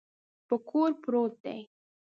په کور پروت دی.